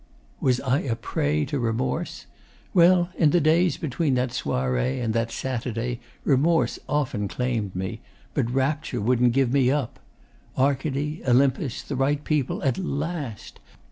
'Was I a prey to remorse? Well, in the days between that Soiree and that Saturday, remorse often claimed me, but rapture wouldn't give me up. Arcady, Olympus, the right people, at last!